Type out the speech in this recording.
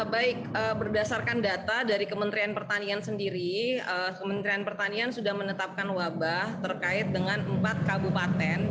baik berdasarkan data dari kementerian pertanian sendiri kementerian pertanian sudah menetapkan wabah terkait dengan empat kabupaten